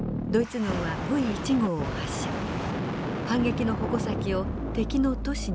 反撃の矛先を敵の都市に向けました。